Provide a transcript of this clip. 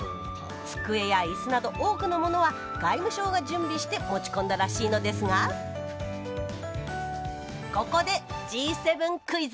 机や椅子など多くのものは外務省が準備して持ち込んだらしいのですがここでＧ７クイズ。